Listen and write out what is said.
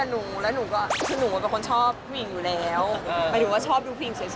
หนูแฟนเป็นผู้หญิง